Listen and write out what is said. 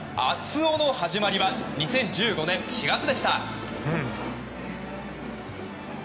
男の始まりは２０１５年４月でした。